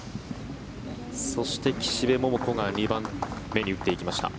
そして、岸部桃子が２番目に打っていきました。